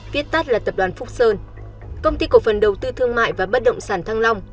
viết tắt là tập đoàn phúc sơn công ty cổ phần đầu tư thương mại và bất động sản thăng long